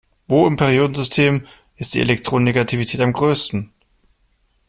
Wo im Periodensystem ist die Elektronegativität am größten?